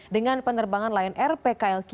dengan penerbangan line air pkl qp